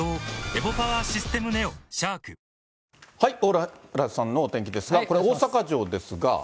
蓬莱さんのお天気ですが、これ、大阪城ですが。